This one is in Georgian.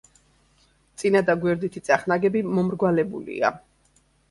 წინა და გვერდითი წახნაგები მომრგვალებულია.